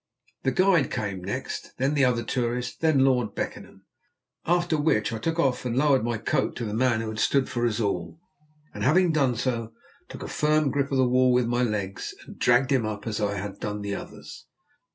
The guide came next, then the other tourist, then Lord Beckenham. After which I took off and lowered my coat to the man who had stood for us all, and having done so, took a firm grip of the wall with my legs, and dragged him up as I had done the others.